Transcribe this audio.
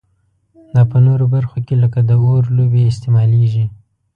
دا په نورو برخو کې لکه د اور لوبې استعمالیږي.